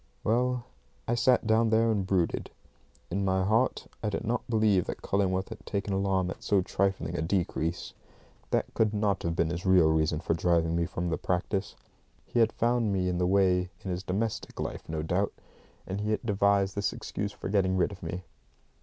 Well, I sat down there and brooded. In my heart I did not believe that Cullingworth had taken alarm at so trifling a decrease. That could not have been his real reason for driving me from the practice. He had found me in the way in his domestic life, no doubt, and he had devised this excuse for getting rid of me.